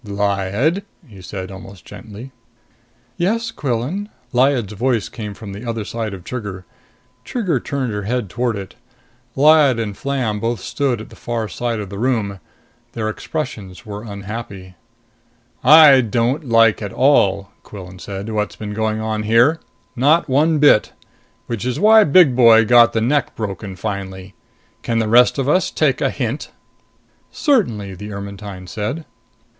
"Lyad," he said, almost gently. "Yes, Quillan?" Lyad's voice came from the other side of Trigger. Trigger turned her head toward it. Lyad and Flam both stood at the far side of the room. Their expressions were unhappy. "I don't like at all," Quillan said, "what's been going on here. Not one bit! Which is why Big Boy got the neck broken finally. Can the rest of us take a hint?" "Certainly," the Ermetyne said.